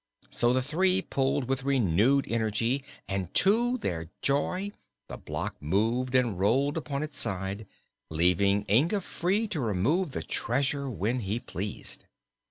So the three pulled with renewed energy and to their joy the block moved and rolled upon its side, leaving Inga free to remove the treasure when he pleased.